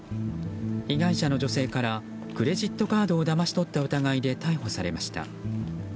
被害者の女性からクレジットカードをだまし取った疑いで逮捕されました。